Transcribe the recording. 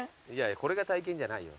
これが体験じゃないよ。